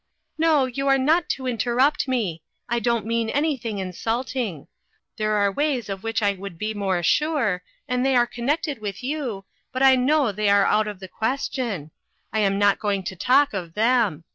" No, you are not to interrupt me. I don't mean anything insulting. There are ways of which I would be more sure, and they are connected with you, but I know they are out of the question. I am not going to talk of them.